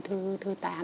đến buổi thứ tám